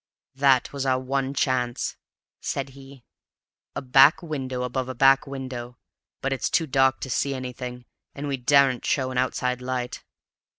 "That was our one chance," said he; "a back window above a back window; but it's too dark to see anything, and we daren't show an outside light.